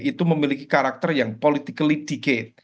itu memiliki karakter yang politik